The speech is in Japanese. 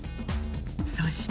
そして。